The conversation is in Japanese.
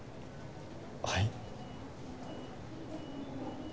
はい？